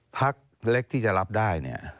พักเล็กที่จะรับได้เนี่ย